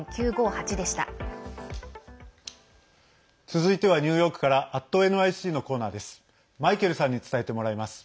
続いてはニューヨークから「＠ｎｙｃ」のコーナーです。